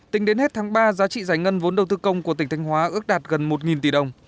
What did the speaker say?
tính đến hết tháng ba giá trị giải ngân vốn đầu tư công của tỉnh thanh hóa ước đạt gần một tỷ đồng